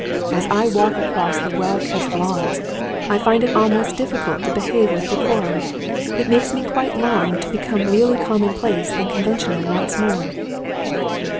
As I walk across the well kept lawns, I find it almost difficult to behave with decorum. It takes me quite a long time to become really common place and conventional once more."